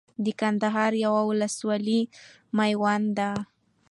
د کندهار يوه ولسوالي ميوند ده